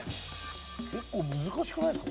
結構難しくないか？